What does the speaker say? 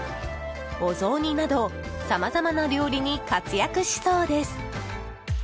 お雑煮などさまざまな料理に活躍しそうです。